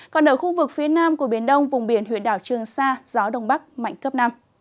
còn ở khu vực phía nam của biển đông vùng biển huyện đảo trường sa gió đông bắc mạnh cấp năm